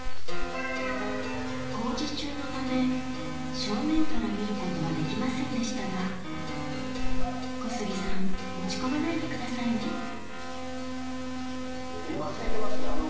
工事中のため正面から見ることはできませんでしたが小杉さん落ち込まないでくださいね今すいてますよ！